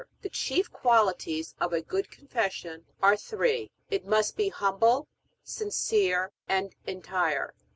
The chief qualities of a good Confession are three: it must be humble, sincere, and entire.